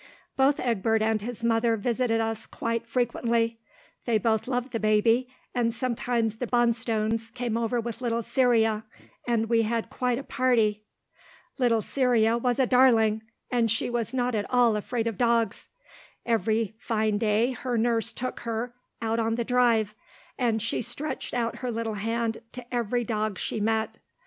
Both Egbert and his mother visited us quite frequently. They both loved the baby, and sometimes the Bonstones came over with little Cyria, and we had quite a party. Little Cyria was a darling, and she was not at all afraid of dogs. Every fine day her nurse took her, out on the Drive, and she stretched out her little hand to every dog she met.